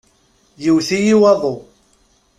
Yewwet-iyi waḍu.